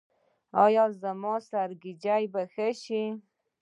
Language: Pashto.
ایا زما سرگیچي به ښه شي؟